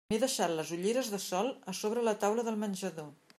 M'he deixat les ulleres de sol a sobre la taula del menjador.